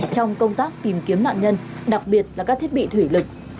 trong công tác tìm kiếm nạn nhân đặc biệt là các thiết bị thủy lực